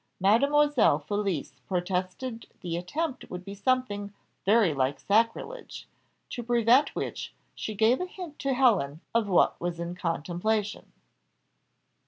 Mademoiselle Felicie protested the attempt would be something very like sacrilege; to prevent which, she gave a hint to Helen of what was in contemplation.